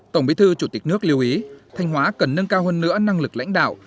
tổng bí thư chủ tịch nước lưu ý thanh hóa cần nâng cao hơn nữa năng lực lãnh đạo